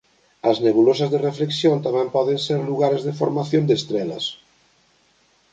As nebulosas de reflexión tamén poden ser lugares de formación de estrelas.